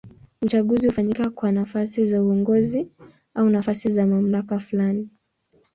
Uchaguzi hufanyika kwa nafasi za uongozi au nafasi za mamlaka fulani.